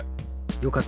よかった。